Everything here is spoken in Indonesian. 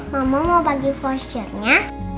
mama mau bagi vouchernya